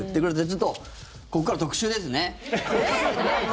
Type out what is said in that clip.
ちょっと、ここから特集ですね。